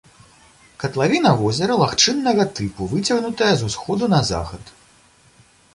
Катлавіна возера лагчыннага тыпу, выцягнутая з усходу на захад.